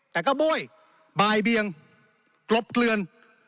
แต่ก็โบ้ยบ่ายเบียงกลบเกลือน